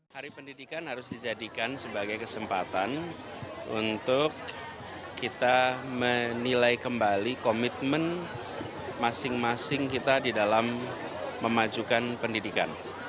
hari pendidikan harus dijadikan sebagai kesempatan untuk kita menilai kembali komitmen masing masing kita di dalam memajukan pendidikan